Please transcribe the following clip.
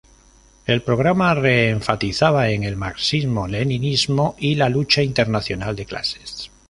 El programa re-enfatizaba en el marxismo-leninismo y la lucha internacional de clases.